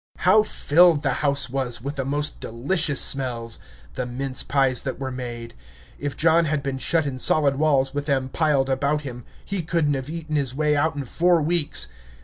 How filled the house was with the most delicious smells! The mince pies that were made! If John had been shut in solid walls with them piled about him, he could n't have eaten his way out in four weeks.